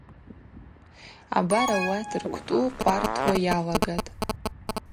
Абар ауат рквтӏу къвартуа йалагатӏ.